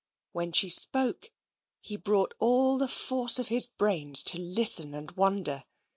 When she spoke, he brought all the force of his brains to listen and wonder.